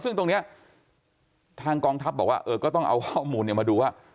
ซึ่งตรงนี้ทางกองทัพบอกว่าก็ต้องเอาข้อมูลมาดูว่า